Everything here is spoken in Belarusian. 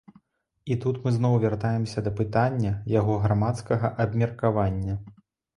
І тут мы зноў вяртаемся да пытання яго грамадскага абмеркавання.